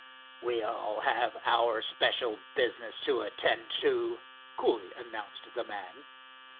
"We all have our special business to attend to," coolly announced the man.